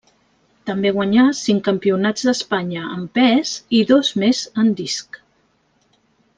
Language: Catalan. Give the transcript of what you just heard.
També guanyà cinc campionats d'Espanya en pes i dos més en disc.